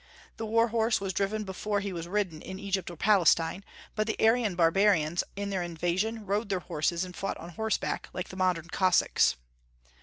The war horse was driven before he was ridden in Egypt or Palestine; but the Aryan barbarians in their invasion rode their horses, and fought on horseback, like the modern Cossacks.